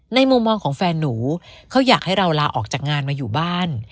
มุมมองของแฟนหนูเขาอยากให้เราลาออกจากงานมาอยู่บ้าน